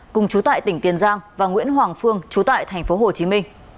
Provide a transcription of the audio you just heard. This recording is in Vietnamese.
cùng chú tại tỉnh tiền giang và nguyễn hoàng phương trú tại tp hcm